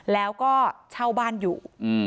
แล้วก็เช่าบ้านอยู่